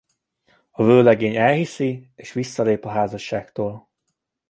A vőlegény elhiszi és visszalép a házasságtól.